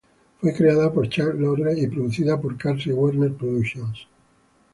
Fue creada por Chuck Lorre y producida por Carsey-Werner Productions.